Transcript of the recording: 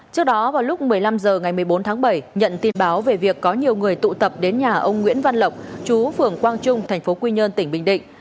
trước đó vào lúc một mươi năm h ngày một mươi bốn tháng bảy nhận tin báo về việc có nhiều người tụ tập đến nhà ông nguyễn văn lộc chú phường quang trung tp quy nhơn tỉnh bình định